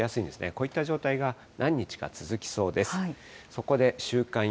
こういった状態が何日か続きそうです。